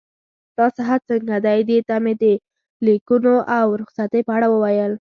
ستا صحت څنګه دی؟ دې ته مې د لیکونو او رخصتۍ په اړه وویل.